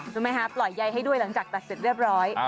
รู้ไหมคะปล่อยใยให้ด้วยหลังจากตัดเสร็จเรียบร้อย